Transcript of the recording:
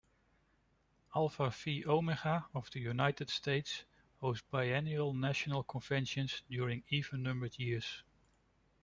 Alpha Phi Omega of the United States hosts biennial national conventions during even-numbered years.